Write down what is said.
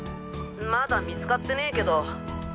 まだ見つかってねけど。